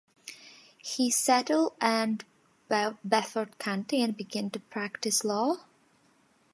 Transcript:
He settled in Beaufort County and began to practice law.